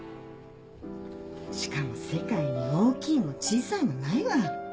・しかも世界に大きいも小さいもないわ。